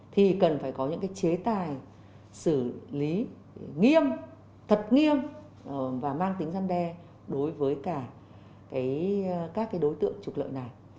thì cần phải có những cái chế tài xử lý nghiêm thật nghiêm và mang tính gian đe đối với cả các đối tượng trục lợi này